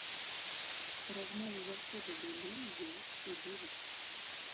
Размовы заўсёды былі, ёсць і будуць.